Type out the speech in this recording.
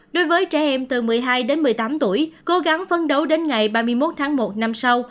đối với trẻ em từ một mươi hai đến một mươi tám tuổi cố gắng phấn đấu đến ngày ba mươi một tháng một năm sau